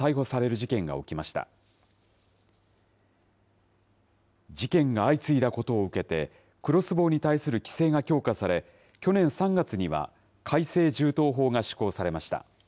事件が相次いだことを受けて、クロスボウに対する規制が強化され、去年３月には改正銃刀法が施行されました。